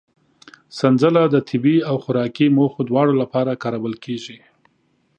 سنځله د طبي او خوراکي موخو دواړو لپاره کارول کېږي.